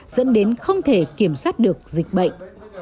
dẫn đến không thể kiểm soát được dịch bệnh